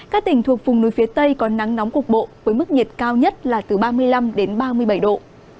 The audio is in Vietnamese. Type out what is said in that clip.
các tỉnh thuộc vùng núi phía tây có nắng nóng cục bộ với mức nhiệt cao nhất là từ ba mươi năm ba mươi bảy độ